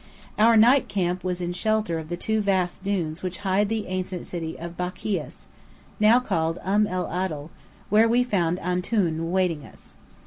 Our night camp was in shelter of the two vast dunes which hide the ancient city of Bacchias, now called Um el Atl, where we found "Antoun" awaiting us.